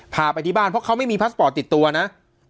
พาไปที่บ้านเพราะเขาไม่มีพาสปอร์ตติดตัวนะ